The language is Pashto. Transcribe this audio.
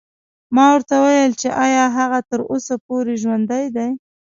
ما ورته وویل چې ایا هغه تر اوسه پورې ژوندی دی.